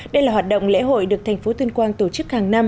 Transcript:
đây là hoạt động lễ hội được tp tuyên quang tổ chức hàng năm